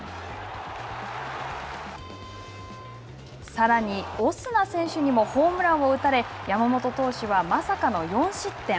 さらに、オスナ選手にもホームランを打たれ山本投手は、まさかの４失点。